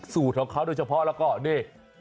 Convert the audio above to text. สูตรเท่ากับเขาโดยเฉพาะแล้วก็นี่